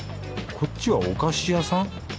こっちはお菓子屋さん？